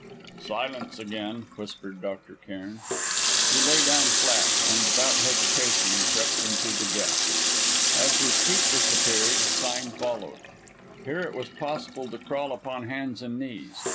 "Silence again!" whispered Dr. Cairn. He lay down flat, and, without hesitation, crept into the gap. As his feet disappeared, Sime followed. Here it was possible to crawl upon hands and knees.